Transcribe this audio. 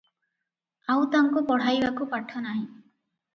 ଆଉ ତାଙ୍କୁ ପଢ଼ାଇବାକୁ ପାଠ ନାହିଁ ।"